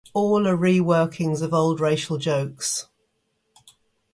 All are re-workings of old racial jokes.